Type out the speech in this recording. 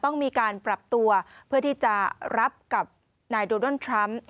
ต้องมีการปรับตัวเพื่อที่จะรับกับนายโดนัลด์ทรัมป์